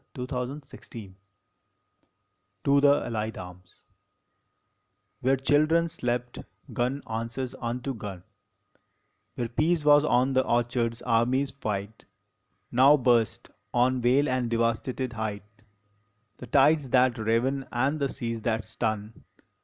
152 ON THE GREAT WAR TO THE ALLIED ARMS Where children slept, gun answers unto gun; Where peace was on the orchards, armies fight; Now burst, on vale and devastated height, The tides that raven and the seas that stun.